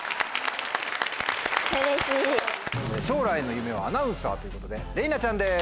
将来の夢はアナウンサーということでれいなちゃんです。